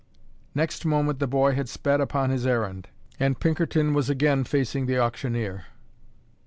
Next moment the boy had sped upon his errand, and Pinkerton was again facing the auctioneer.